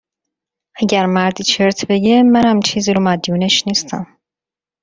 اگر مردی چرت بگه، منم چیزی رو مدیونش نیستم